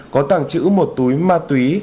có tảng chữ một túi ma túy